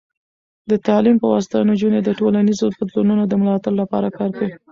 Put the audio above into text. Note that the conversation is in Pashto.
د تعلیم په واسطه، نجونې د ټولنیزو بدلونونو د ملاتړ لپاره کار کوي.